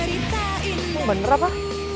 lo bener apa